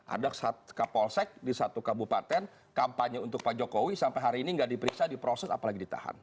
ada kapolsek di satu kabupaten kampanye untuk pak jokowi sampai hari ini tidak diperiksa diproses apalagi ditahan